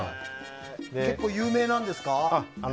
結構有名なんですか？